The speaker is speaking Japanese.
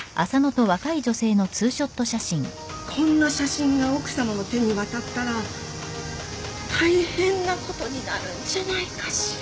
こんな写真が奥さまの手に渡ったら大変なことになるんじゃないかしら。